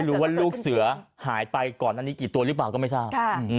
ลูกเสือหายไปก่อนอันนี้กี่ตัวหรือเปล่าก็ไม่ทราบ